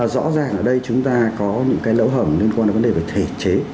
rõ ràng ở đây chúng ta có những cái lỗ hổng liên quan đến vấn đề về thể chế